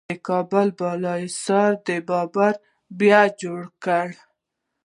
د کابل بالا حصار د بابر بیا جوړ کړ